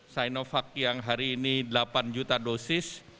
sinovac yang hari ini delapan juta dosis